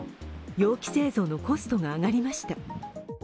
容器製造のコストが上がりました。